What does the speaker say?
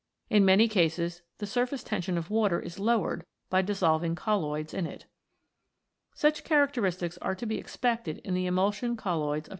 In many cases the surface tension of water is lowered by dissolving colloids in it. Such characteristics are to be expected in the emulsion colloids of protoplasm.